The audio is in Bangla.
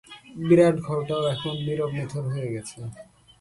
বিরাট ঘরটাও এবার নীরব নিথর হয়ে গেছে।